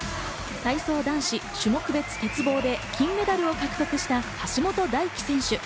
体操男子種目別鉄棒で金メダルを獲得した橋本大輝選手。